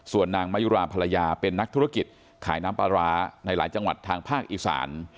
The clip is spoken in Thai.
ส่วนนางมะยุราภรรยาเป็นนักธุรกิจขายน้ำปลาร้าในหลายจังหวัดทางภาคอีสาน